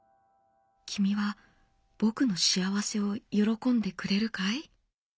きみは僕の幸せを喜んでくれるかい？」。